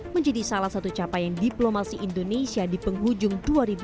menjadi salah satu capaian diplomasi indonesia di penghujung dua ribu dua puluh